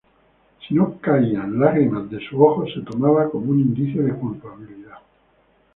Si no caían lágrimas de sus ojos, se tomaba como un indicio de culpabilidad.